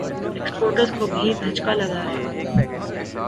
exporter ز کو بھی دھچکا لگا ہے